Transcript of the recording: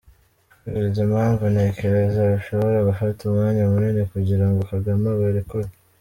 Kubera izi mpamvu ntekereza bishobora gufata umwanya munini kugira ngo Kagame abarekure.